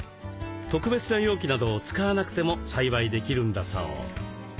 特別な容器などを使わなくても栽培できるんだそう。